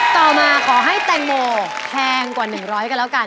ต่อมาขอให้แตงโมแพงกว่า๑๐๐กันแล้วกัน